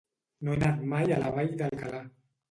No he anat mai a la Vall d'Alcalà.